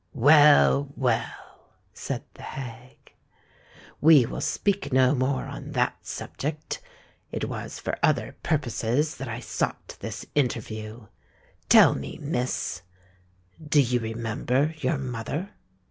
"Well, well," said the hag, "we will speak no more on that subject. It was for other purposes that I sought this interview. Tell me, Miss—do you remember your mother?"